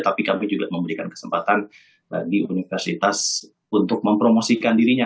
tapi kami juga memberikan kesempatan bagi universitas untuk mempromosikan dirinya